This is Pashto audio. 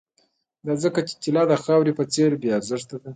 دا ځکه چې طلا د خاورې په څېر بې ارزښته شي